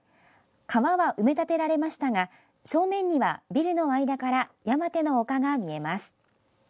川は埋め立てられましたが正面にはビルの間から山手の丘が見えます。